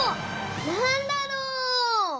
なんだろう？